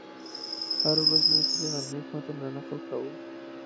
هره ورځ به مې تر غرمې متن رانقل کاوه.